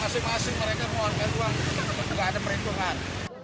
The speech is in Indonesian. masih masih mereka mau angkat uang gak ada perhitungan